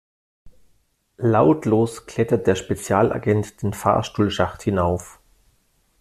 Lautlos klettert der Spezialagent den Fahrstuhlschacht hinauf.